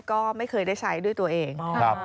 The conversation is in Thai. ก็ไม่เคยได้ใช้ด้วยตัวเอง